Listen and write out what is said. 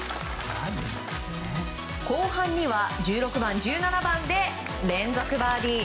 後半には１６番、１７番で連続バーディー。